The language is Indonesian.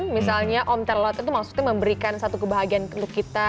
misalnya om terlawat itu maksudnya memberikan satu kebahagiaan untuk kita